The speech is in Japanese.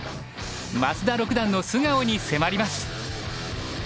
増田六段の素顔に迫ります。